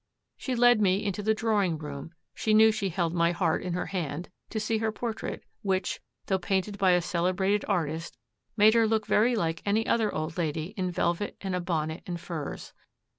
She led me into the drawing room she knew she held my heart in her hand to see her portrait, which, though painted by a celebrated artist, made her look very like any other old lady in velvet and a bonnet and furs.